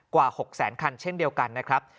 กว่า๖แสนคันเช่นเดียวกันนะครับ